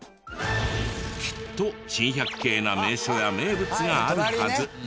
きっと珍百景な名所や名物があるはず。